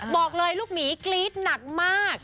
บอกเลยลูกหมีกรี๊ดหนักมาก